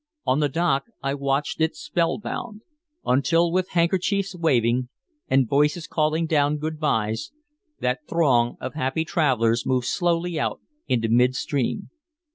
On the dock I watched it spellbound until with handkerchiefs waving and voices calling down good bys, that throng of happy travelers moved slowly out into midstream.